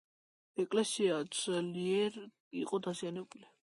ეკლესია ძლიერ იყო დაზიანებული.